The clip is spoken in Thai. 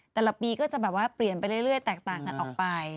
แต่ละปีก็จะแบบว่าเปลี่ยนไปเรื่อยแตกต่างกันออกไป